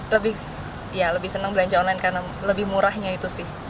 lebih ya lebih senang belanja online karena lebih murahnya itu sih